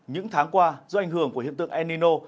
những tháng qua do ảnh hưởng của hiện tượng el nino